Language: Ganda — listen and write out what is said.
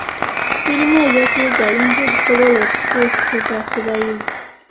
Birimu eby’okuyiga bingi ebisobola okutuusibwa ku bayizi.